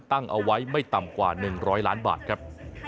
ตั้งเอาไว้ไม่ต่ำกว่า๑๐๐ล้านบาทครับ